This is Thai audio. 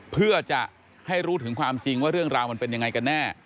เพื่อจะให้รู้ถึงความจริงว่าเรื่องราวมันเป็นยังไงกันแน่